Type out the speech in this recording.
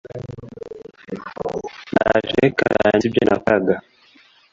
ndaje reka ndangize ibyo nakoraga